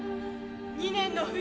２年の冬」。